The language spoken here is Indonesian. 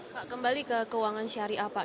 pak kembali ke keuangan syariah pak